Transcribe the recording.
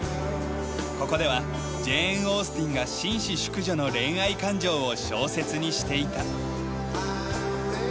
ここではジェーン・オースティンが紳士淑女の恋愛感情を小説にしていた。